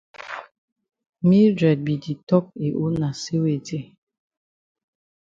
Mildred be di tok yi own na say weti?